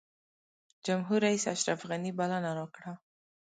جمهورریس اشرف غني بلنه راکړه.